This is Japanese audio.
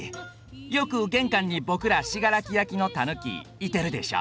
よく玄関に僕ら信楽焼のたぬきいてるでしょ？